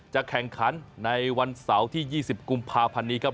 จะแข่งขันในวันเสาร์ที่๒๐กุมภาพันธ์นี้ครับ